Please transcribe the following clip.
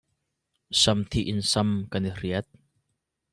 Samthih in sam kan i hriat.